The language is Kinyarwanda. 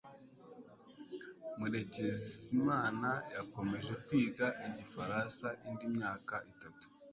Murekezimana yakomeje kwiga igifaransa indi myaka itatu.